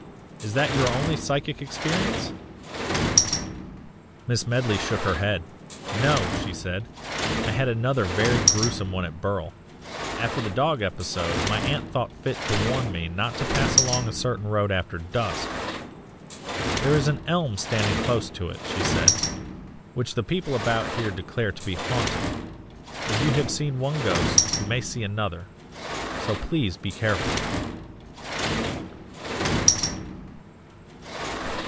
Is that your only psychic experience?" Miss Medley shook her head. "No!" she said, "I had another very gruesome one at Burle. After the dog episode my aunt thought fit to warn me not to pass along a certain road after dusk. 'There is an elm standing close to it,' she said, 'which the people about here declare to be haunted; as you have seen one ghost you may see another so please be careful!